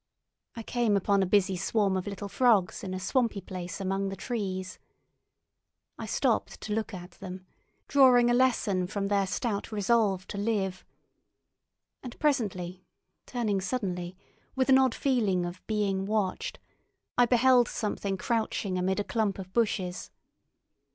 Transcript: I came upon a busy swarm of little frogs in a swampy place among the trees. I stopped to look at them, drawing a lesson from their stout resolve to live. And presently, turning suddenly, with an odd feeling of being watched, I beheld something crouching amid a clump of bushes.